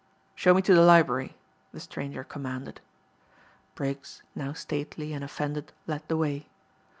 "Show me to the library," the stranger commanded. Briggs, now stately and offended, led the way.